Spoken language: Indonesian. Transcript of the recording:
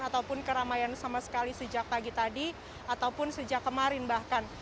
ataupun keramaian sama sekali sejak pagi tadi ataupun sejak kemarin bahkan